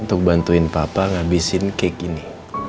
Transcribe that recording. untuk bantuin papa ngabisin cake ini